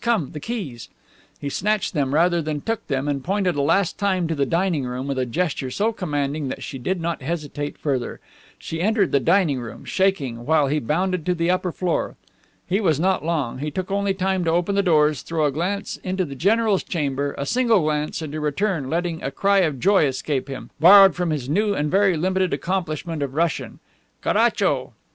Come, the keys!" He snatched them rather than took them, and pointed a last time to the dining room with a gesture so commanding that she did not hesitate further. She entered the dining room, shaking, while he bounded to the upper floor. He was not long. He took only time to open the doors, throw a glance into the general's chamber, a single glance, and to return, letting a cry of joy escape him, borrowed from his new and very limited accomplishment of Russian, "Caracho!"